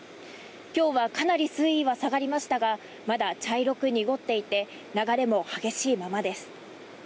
今日はかなり水位は下がりましたがまだ茶色く濁っていて流れも激しいままです。